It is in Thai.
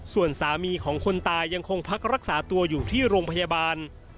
ส่วนสามีของคนตายยังคงพักรักษาตัวอยู่ที่โรงพยาบาล